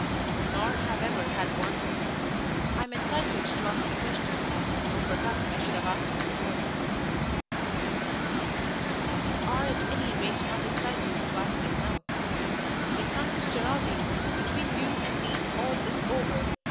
"Nor have ever had one? I am entitled to ask the question, though perhaps I should have asked it before." "You are at any rate not entitled to ask it now. Sir Francis Geraldine, between you and me all is over.